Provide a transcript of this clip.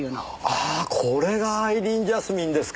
ああこれがアイリーンジャスミンですか！